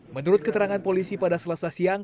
menurut keterangan polisi pada selasa siang